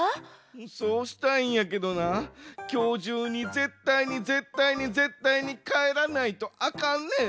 そうしたいんやけどなきょうじゅうにぜったいにぜったいにぜったいにかえらないとあかんねん。